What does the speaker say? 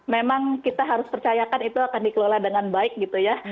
memang kita harus percayakan itu akan dikelola dengan baik gitu ya